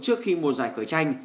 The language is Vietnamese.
trước khi mùa giải khởi tranh